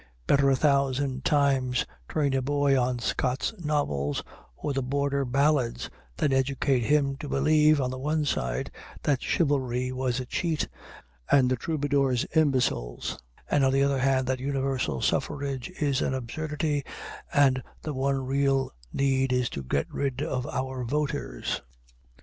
Better a thousand times train a boy on Scott's novels or the Border Ballads than educate him to believe, on the one side, that chivalry was a cheat and the troubadours imbeciles, and on the other hand, that universal suffrage is an absurdity and the one real need is to get rid of our voters.